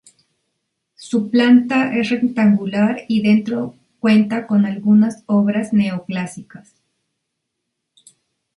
Su planta es rectangular y dentro cuenta con algunas obras neoclásicas.